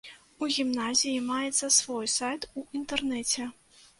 У гімназіі маецца свой сайт у інтэрнэце.